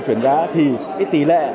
chuyển giá thì cái tỷ lệ